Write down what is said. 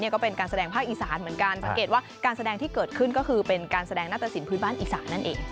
ก็เป็นการแสดงภาคอีสานเหมือนกันสังเกตว่าการแสดงที่เกิดขึ้นก็คือเป็นการแสดงหน้าตะสินพื้นบ้านอีสานนั่นเอง